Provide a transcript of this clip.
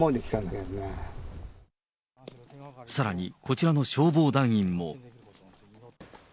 さらに、こちらの消防団員も。